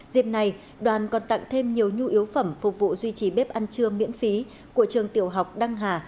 dịp này đoàn còn tặng thêm nhiều nhu yếu phẩm phục vụ duy trì bếp ăn trưa miễn phí của trường tiểu học đăng hà